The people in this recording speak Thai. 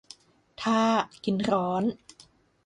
ถ้า กินร้อน